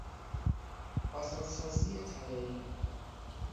آسانسازی تداعی